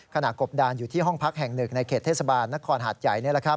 กบดานอยู่ที่ห้องพักแห่งหนึ่งในเขตเทศบาลนครหาดใหญ่